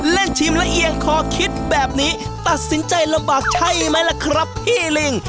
ชิมละเอียงคอคิดแบบนี้ตัดสินใจลำบากใช่ไหมล่ะครับพี่ลิง